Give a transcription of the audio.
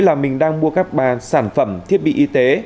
là mình đang mua các sản phẩm thiết bị y tế